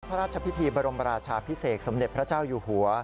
พระราชพิธีบรมราชาพิเศษสมเด็จพระเจ้าอยู่หัว